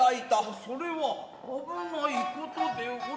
それは危ないことでおりゃる。